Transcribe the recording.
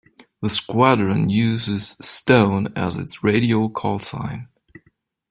The squadron uses "Stone" as its radio callsign.